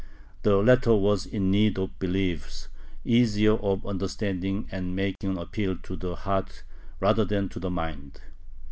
The latter was in need of beliefs easier of understanding and making an appeal to the heart rather than to the mind.